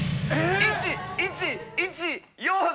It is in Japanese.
１１１４２！